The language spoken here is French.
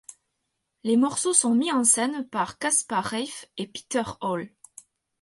Les morceaux sont mis en scène par Caspar Reiff et Peter Hall.